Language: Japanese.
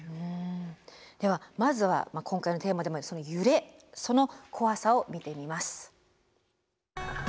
ではまずは今回のテーマでもある揺れその怖さを見てみます。